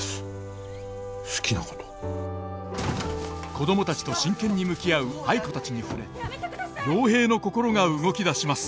子供たちと真剣に向き合う藍子たちに触れ陽平の心が動き出します。